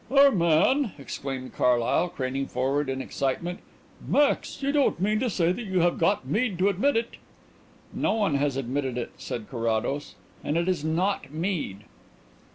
"Our man!" exclaimed Carlyle, craning forward in excitement. "Max! you don't mean to say that you have got Mead to admit it?" "No one has admitted it," said Carrados. "And it is not Mead."